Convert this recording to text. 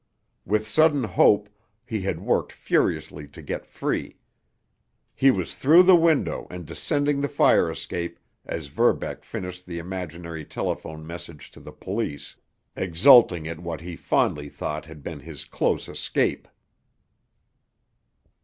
With sudden hope, he had worked furiously to get free. He was through the window and descending the fire escape as Verbeck finished the imaginary telephone message to the police, exulting at what he fondly thought had been his close escape.